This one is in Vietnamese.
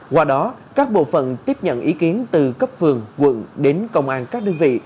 qua đó các bộ phận tiếp nhận ý kiến từ cấp vườn quận đến công an các đơn vị